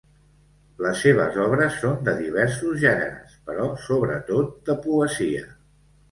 Les seves obres són de diversos gèneres, però sobretot de poesia.